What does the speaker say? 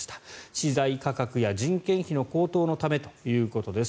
資材価格や人件費の高騰のためということです。